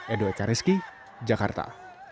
edo ekareski jakarta